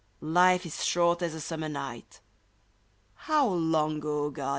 Life is short as a summer night — How long, O God